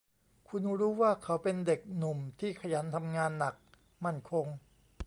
คุณรู้ว่าเขาเป็นเด็กหนุ่มที่ขยันทำงานหนัก มั่นคง